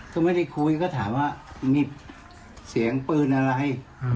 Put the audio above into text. ก็ไม่ได้คุยก็ถามว่านี่เสียงปืนอะไร